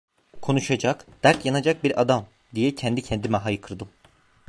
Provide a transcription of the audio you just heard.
"Konuşacak, dert yanacak bir adam!" diye kendi kendime haykırdım…